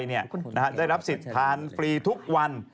ได้รับสิทธิ์ทานฟรีทุกวัน